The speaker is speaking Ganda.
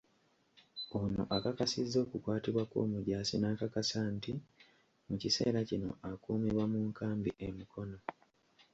Ono akakasizza okukwatibwa kw'omujaasi n'akakasa nti mu kiseera kino, akuumibwa mu nkambi e Mukono.